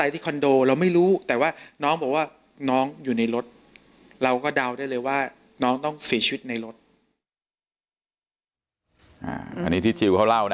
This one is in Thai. ทีเวอร์ไว้